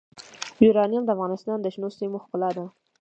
یورانیم د افغانستان د شنو سیمو ښکلا ده.